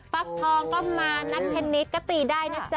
ฟักทองก็มานักเทนนิสก็ตีได้นะจ๊